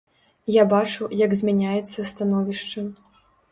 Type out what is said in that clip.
Я бачу, як змяняецца становішча.